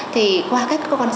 thì qua các con số cụ thể